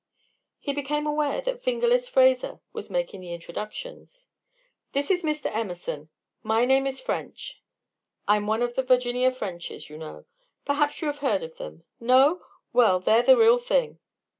He became aware that "Fingerless" Fraser was making the introductions. "This is Mr. Emerson; my name is French. I'm one of the Virginia Frenches, you know; perhaps you have heard of them. No? Well, they're the real thing."